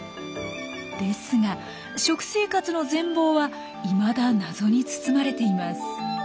ですが食生活の全貌はいまだ謎に包まれています。